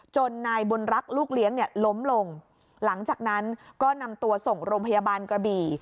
นายบุญรักษ์ลูกเลี้ยงเนี่ยล้มลงหลังจากนั้นก็นำตัวส่งโรงพยาบาลกระบี่